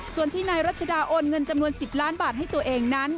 ส่วนที่นายรัชดาโอนเงินจำนวน๑๐ล้านบาทให้ตัวเองนั้น